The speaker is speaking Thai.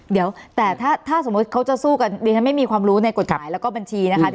เดี๋ยวแต่ถ้าสมมุติเขาจะสู้กันดิฉันไม่มีความรู้ในกฎหมายแล้วก็บัญชีนะคะ